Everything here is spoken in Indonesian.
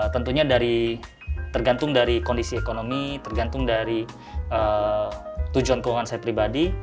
tentunya tergantung dari kondisi ekonomi tergantung dari tujuan keuangan saya pribadi